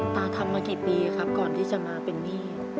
ตาทำมากี่ปีครับก่อนที่จะมาเป็นหนี้